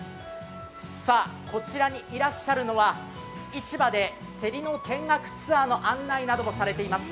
さあ、こちらにいらっしゃるのは市場で競りの見学ツアーの案内もされております